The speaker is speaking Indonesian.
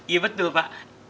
iya betul pak